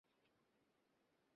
তিনি ইংল্যান্ড গমন করেন।